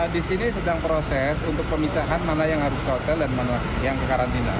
di sini sedang proses untuk pemisahan mana yang harus ke hotel dan mana yang kekarantina